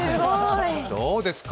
どうですか？